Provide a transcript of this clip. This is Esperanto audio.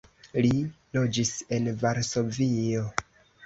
Li loĝis en Varsovio.